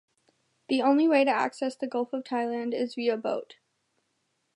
The only way to access the Gulf of Thailand is via boat.